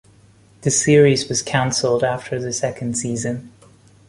The series was canceled after the second season.